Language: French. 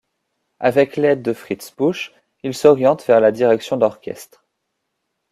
Avec l'aide de Fritz Busch, il s'oriente vers la direction d'orchestre.